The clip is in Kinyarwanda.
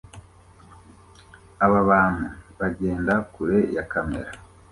Aba bantu bagenda kure ya kamera